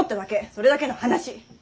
それだけの話。